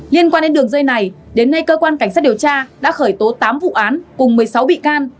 liên quan đến đường dây này đến nay cơ quan cảnh sát điều tra đã khởi tố tám vụ án cùng một mươi sáu bị can